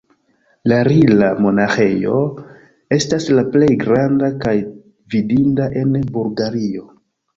La Rila-monaĥejo estas la plej granda kaj vidinda en Bulgario.